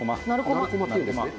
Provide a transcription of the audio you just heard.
なる細っていうんですね。